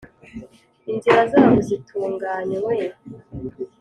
inzira zabo zitunganywe